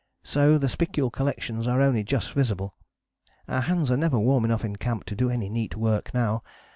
So the spicule collections are only just visible. Our hands are never warm enough in camp to do any neat work now.